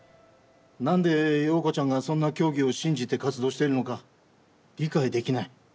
何で陽子ちゃんがそんな教義を信じて活動してるのか理解できない。